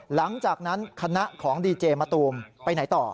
หลังจากนั้นคณะของดีเจมะตูมไปไหนต่อ